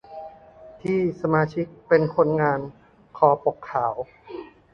ที่สมาชิกเป็นคนงานคอปกขาว